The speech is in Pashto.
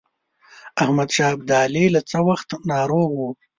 احمدشاه ابدالي له څه وخته ناروغ وو.